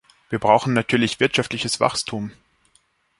Wir brauchen natürlich wirtschaftliches Wachstum.